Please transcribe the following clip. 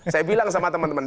saya bilang sama teman teman